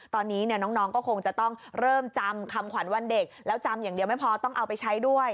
ตอนนี้น้องก็คงจะต้องเริ่มจำคำขวัญวันเด็กแล้วจำอย่างเดียวไม่พอต้องเอาไปใช้ด้วย